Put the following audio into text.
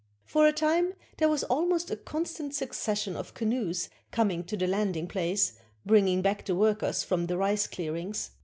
For a time there was almost a constant succession of canoes coming to the landing place, bringing back the workers from the rice clearings.